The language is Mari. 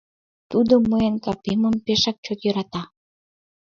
Тудо мыйын капемым пешак чот йӧрата.